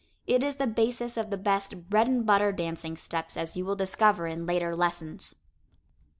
It is the basis of the best "bread and butter" dancing steps, as you will discover in later lessons.